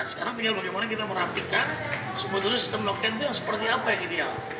sekarang tinggal bagaimana kita merapikan sebetulnya sistem blockchain itu yang seperti apa yang ideal